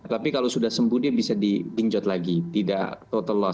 tapi kalau sudah sembuh dia bisa diinjot lagi tidak total loss